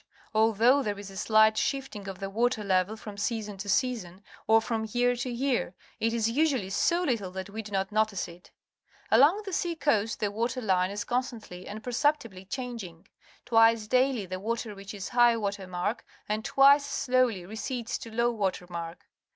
Although there is a slight shifting of the water level from season to season or from year to year, it is usually so little that we do not notice it. Along the sea coast the water line is con stantly and perceptibly changing^ Twice daily the water reaches high water mark, and twice slowly recedes to low water mark.